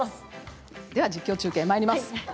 実況中継まいります。